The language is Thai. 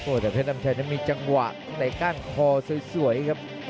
แต่เพชรน้ำชัยนั้นมีจังหวะในก้านคอสวยครับ